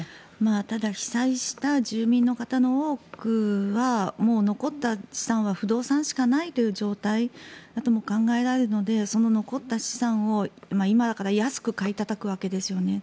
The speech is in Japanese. ただ被災した住民の多くがもう残った資産は不動産しかないという状態だとも考えられるのでその残った資産を、今から安く買いたたくわけですよね。